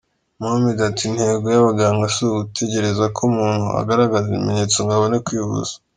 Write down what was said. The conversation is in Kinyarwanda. Mohamed ati ”Intego y’abaganga si ugutegereza ko umuntu agaragaza ibimenyetso ngo abone kwivuza.